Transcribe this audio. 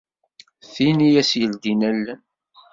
D tin i as-yeldin allen.